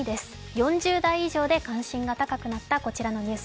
４０代以上で関心が高くなったこちらのニュース